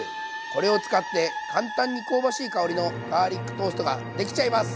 これを使って簡単に香ばしい香りのガーリックトーストができちゃいます。